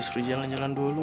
suruh jalan jalan dulu